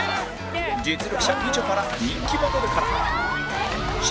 実力者みちょぱら人気モデルから